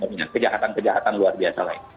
kejahatan kejahatan luar biasa